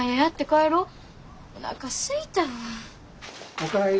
お帰り。